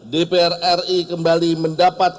dpr ri kembali mendapatkan